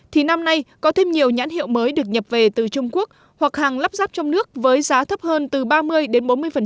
thì năm nay có thêm nhiều nhãn hiệu mới được nhập về từ trung quốc hoặc hàng lắp ráp trong nước với giá thấp hơn từ ba mươi đến bốn mươi